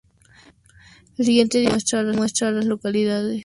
El siguiente diagrama muestra a las localidades en un radio de de Wade.